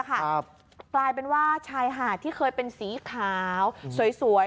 กลายเป็นว่าชายหาดที่เคยเป็นสีขาวสวย